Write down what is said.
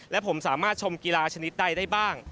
และผมสามารถชมกีฬาชนิดใดได้บ้าง